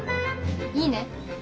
いいね。